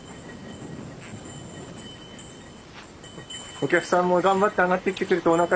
お客さんも頑張って上がってきてくれておなか減りますしね。